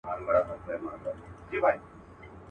دوستان او وطنوال دي جهاني خدای په امان که.